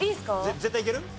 絶対いける？